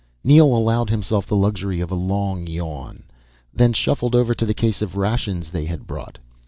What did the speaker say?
Neel allowed himself the luxury of a long yawn, then shuffled over to the case of rations they had brought.